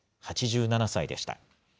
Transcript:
８７歳でした。